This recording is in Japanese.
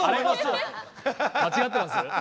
間違ってます？